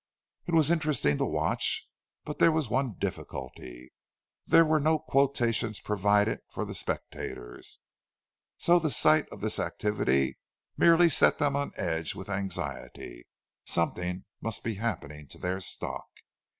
It was interesting to watch; but there was one difficulty—there were no quotations provided for the spectators. So the sight of this activity merely set them on edge with anxiety—something must be happening to their stock!